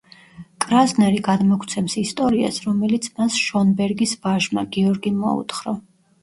კრაზნერი გადმოგვცემს ისტორიას, რომელიც მას შონბერგის ვაჟმა, გიორგიმ მოუთხო.